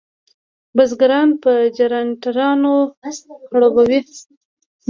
بزګران په جنراټورانو خړوبوي.